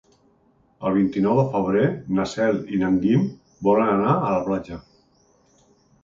El vint-i-nou de febrer na Cel i en Guim volen anar a la platja.